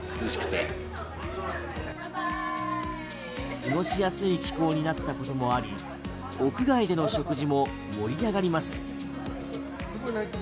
過ごしやすい気候になったこともあり屋外での食事も盛り上がります。